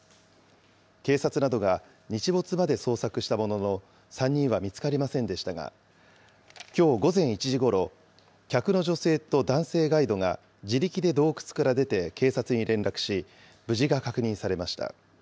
警察などが日没まで捜索したものの、３人は見つかりませんでしたが、きょう午前１時ごろ、客の女性と男性ガイドが自力で洞窟から出て警察に連絡し、無事が確認されました。